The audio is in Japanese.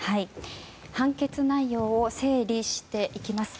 判決内容を整理していきます。